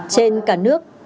trên cả nước